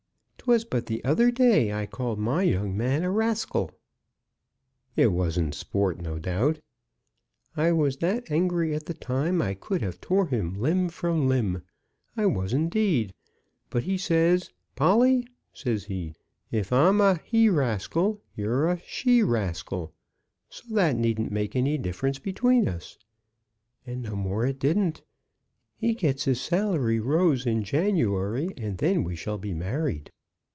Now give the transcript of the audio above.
'Twas but the other day I called my young man a raskil." "It was in sport, no doubt." "I was that angry at the time I could have tore him limb from limb; I was, indeed. But he says, 'Polly,' says he, 'if I'm a he raskil, you're a she raskil; so that needn't make any difference between us.' And no more it didn't. He gets his salary rose in January, and then we shall be married."